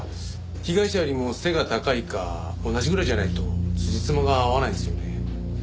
被害者よりも背が高いか同じぐらいじゃないとつじつまが合わないんですよね。